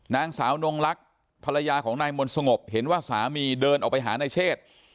นางสาวนงลักษณ์ภรรยาของนายมนต์สงบเห็นว่าสามีเดินออกไปหานายเชษ